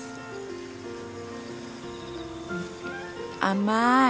甘い！